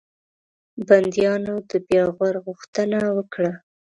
بنديانو د بیا غور غوښتنه وکړه.